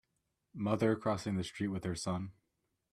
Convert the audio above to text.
Mother crossing the street with her son.